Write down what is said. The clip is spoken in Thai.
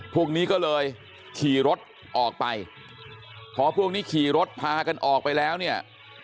พวกนี้ก็เลยขี่รถออกไปพอพวกนี้ขี่รถพากันออกไปแล้วเนี่ย